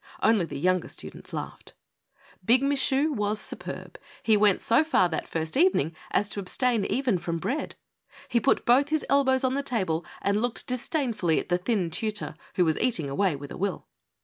Only the younger students laughed. Big Michu was superb. He went so far that first evening as to abstain even from bread. He put both his elbows on the table and looked disdainfully at the thin tutor, who was eating away with a will.